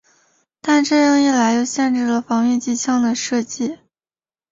但这样一来又限制了防御机枪的射界。